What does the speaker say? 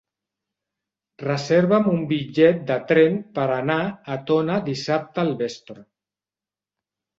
Reserva'm un bitllet de tren per anar a Tona dissabte al vespre.